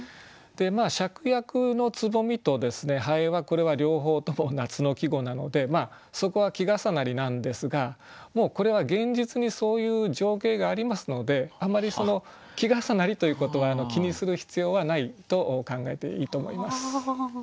「芍薬の蕾」と「蠅」はこれは両方とも夏の季語なのでそこは季重なりなんですがこれは現実にそういう情景がありますのであまり季重なりということは気にする必要はないと考えていいと思います。